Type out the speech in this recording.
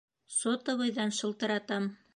Сотовыйҙан шылтыратам.